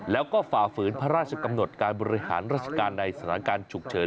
แล้วก็ฝ่าฝืนพระราชกำหนดการบริหารราชการในสถานการณ์ฉุกเฉิน